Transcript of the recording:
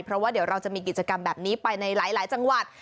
เพราะว่าเดี๋ยวเราจะมีกิจกรรมแบบนี้ไปในหลายจังหวัด